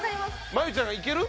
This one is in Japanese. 真佑ちゃんいける？